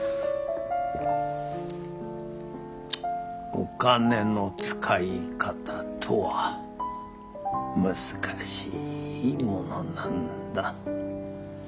お金の使い方とは難しいものなんだ。